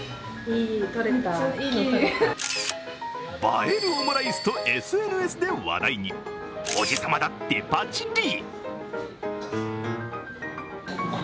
映えるオムライスとＳＮＳで話題におじさまだって、パチリ。